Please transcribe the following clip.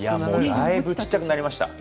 だいぶ小っちゃくなりました。